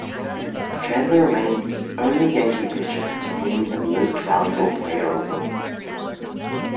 Chandler remains the only Yankee pitcher to win the Most Valuable Player award.